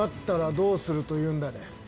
どうするというんだね？